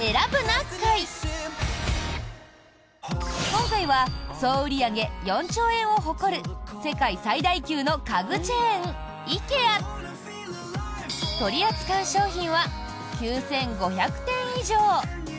今回は、総売上４兆円を誇る世界最大級の家具チェーンＩＫＥＡ。取り扱う商品は９５００点以上。